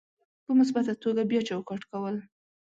په مثبته توګه بیا چوکاټ کول: